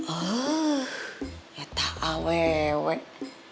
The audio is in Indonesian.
oh ya tak awet